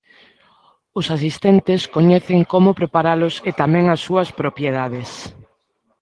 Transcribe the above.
Os asistentes coñecen como preparalos e tamén as súas propiedades.